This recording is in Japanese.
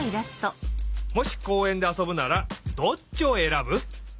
もしこうえんであそぶならどっちをえらぶ？